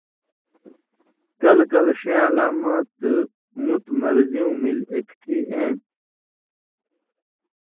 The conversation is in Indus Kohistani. کلہۡ کلہۡ ݜَیں علامات مُتیۡ مرضیُوں ملی اکٹھی ایں تھی۔